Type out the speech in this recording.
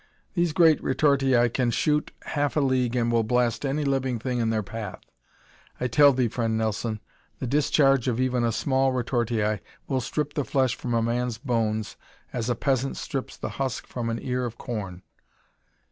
"These great retortii can shoot half a league and will blast any living thing in their path. I tell thee, friend Nelson, the discharge of even a small retortii will strip the flesh from a man's bones as a peasant strips the husk from an ear of corn!"